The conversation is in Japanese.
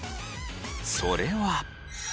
それは。